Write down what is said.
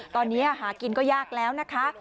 ตอนนี้หากินก็ยากแล้วนะคะ